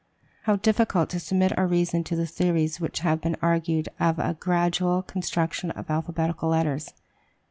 How difficult to submit our reason to the theories which have been argued of a gradual construction of alphabetical letters!